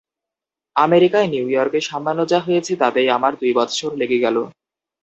আমেরিকায় নিউ ইয়র্কে সামান্য যা হয়েছে তাতেই আমার দুই বৎসর লেগে গেল।